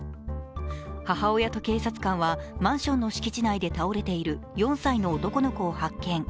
母親と警察官はマンションの敷地内で倒れている４歳の男の子を発見。